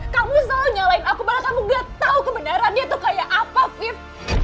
kamu selalu nyalain aku malah kamu gak tau kebenerannya tuh kayak apa viv